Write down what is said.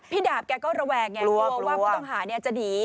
พี่ดาบแกก็ระแวกเนี่ยกลัวว่าผู้ต้องหาเนี่ยจะหนี